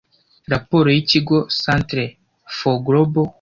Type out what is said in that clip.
Raporo y'ikigo 'Centre for Global